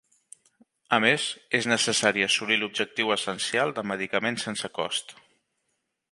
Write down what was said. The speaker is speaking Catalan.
A més, és necessari assolir l'objectiu essencial de medicaments sense cost.